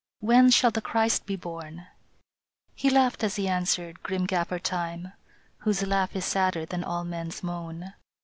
When shall the Christ be born? " He laughed as he answered, grim Gaffer Time, Whose laugh is sadder than all men s moan.